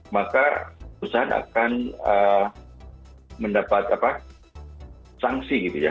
maka perusahaan akan mendapat sanksi gitu ya